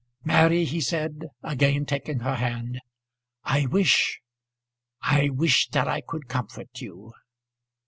"Mary," he said, again taking her hand, "I wish I wish that I could comfort you."